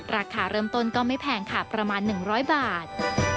ราคาเริ่มต้นก็ไม่แพงค่ะประมาณ๑๐๐บาท